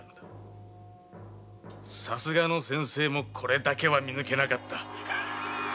さすがの先生もこれだけは見抜けなかった。